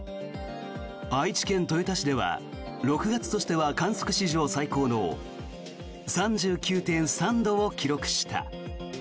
愛知県豊田市では６月としては観測史上最高の３９．３度を記録した。